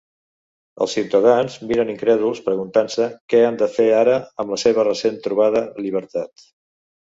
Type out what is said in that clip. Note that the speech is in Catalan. Els ciutadans miren incrèduls, preguntant-se què han de fer ara amb la seva recent trobada llibertat.